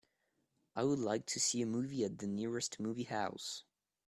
I would like to see a movie at the nearest movie house.